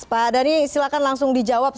pak dhani silahkan langsung dijawab